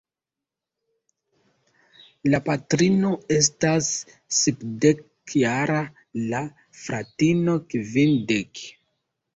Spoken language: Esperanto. La patrino estas sepdekjara, la fratino kvindek.